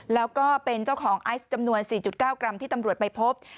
แล้วก็เป็นเจ้าของไอซ์จำนวน๔๙กรัมที่ตำรวจไปพบ